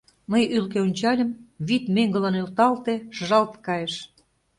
Мый ӱлкӧ ончальым — вӱд меҥгыла нӧлталте, шыжалт кайыш.